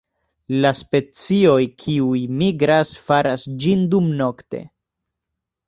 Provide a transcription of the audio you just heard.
La specioj kiuj migras faras ĝin dumnokte.